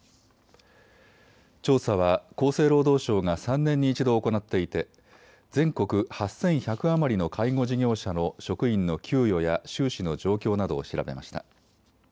調査は厚生労働省が３年に１度行っていて、全国８１００余りの介護事業者の職員の給与や収支の状況などを調べました。